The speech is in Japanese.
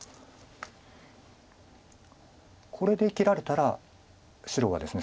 これで生きられたら白がですね